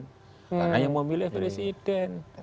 karena yang mau milih presiden